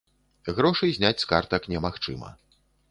Грошы зняць з картак немагчыма.